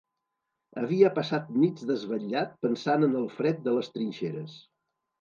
Havia passat nits desvetllat pensant en el fred de les trinxeres